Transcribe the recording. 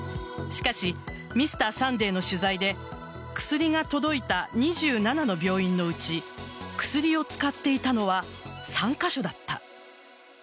しかし「Ｍｒ．サンデー」の取材で薬が届いた２７の病院のうち薬を使っていたのは３カ所だった。